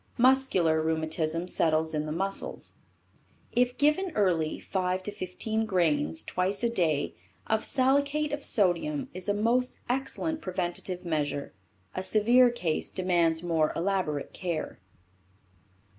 Muscular rheumatism settles in the muscles. If given early 5 to 15 grains, twice a day, of salicate of sodium is a most excellent preventative measure. A severe case demands more elaborate care.